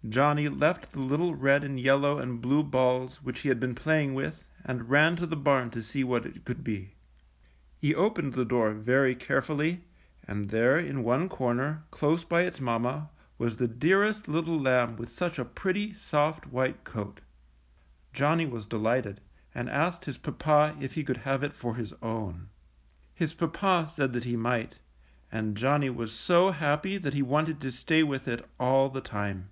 '' Johnny left the little red and yellow and blue balls which he had been playing with and ran to the barn to see what it could be. He opened the door very carefully, and there in one corner, close by its mamma, was the dearest little lamb with such a pretty, soft, NANNIE'S COAT. 149 white coat. Johnny was delighted, and asked his papa if he could have it for his own. His papa said that he might, and Johnny was so happy that he wanted to stay with it all the time.